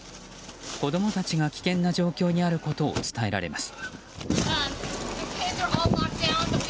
子供たちが危険な状況にあることを伝えられます。